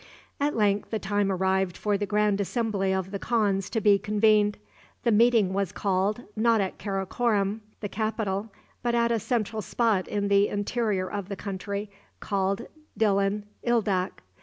At length the time arrived for the grand assembly of the khans to be convened. The meeting was called, not at Karakorom, the capital, but at a central spot in the interior of the country, called Dilon Ildak.